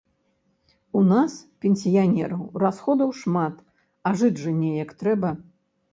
У нас, пенсіянераў, расходаў шмат, а жыць жа неяк трэба.